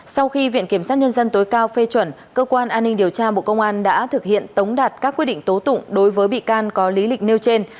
sau khi viện kiểm sát nhân dân tối cao phê chuẩn cơ quan an ninh điều tra bộ công an đã thực hiện tống đạt các quyết định tố tụng đối với bị can có lý lịch nêu trên